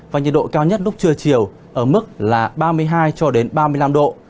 và nhiệt độ cao nhất lúc trưa chiều ở mức là ba mươi hai cho đến ba mươi năm độ